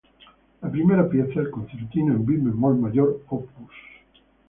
La primera pieza, el Concertino en mi bemol mayor, op.